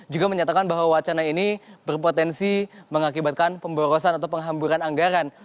juga menyatakan bahwa wacana ini berpotensi mengakibatkan pemborosan atau penghamburan anggaran